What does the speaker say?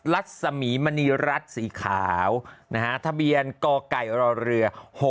รัสสะหมีมะนีรัสสีขาวนะฮะทะเบียนกอไก่รอเรือ๖๙๕๒